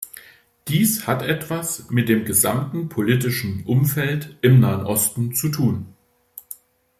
Dies hat etwas mit dem gesamten politischen Umfeld im Nahen Osten zu tun.